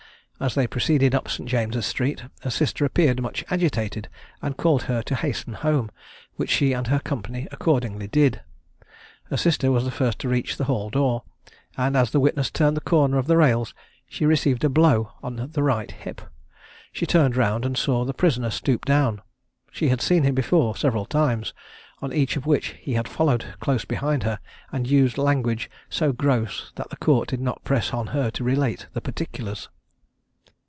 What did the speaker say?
As they proceeded up St. James's street her sister appeared much agitated, and called to her to hasten home, which she and her company accordingly did. Her sister was the first to reach the hall door, and as the witness turned the corner of the rails she received a blow on the right hip. She turned round and saw the prisoner stoop down: she had seen him before several times, on each of which he had followed close behind her, and used language so gross that the Court did not press on her to relate the particulars.